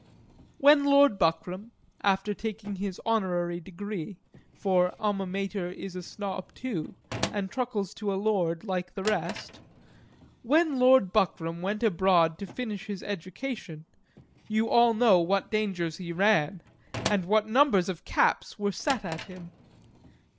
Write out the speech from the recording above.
When Lord Buckram, after taking his honorary degree, (for Alma Mater is a Snob, too, and truckles to a Lord like the rest,) when Lord Buckram went abroad to finish his education, you all know what dangers he ran, and what numbers of caps were set at him.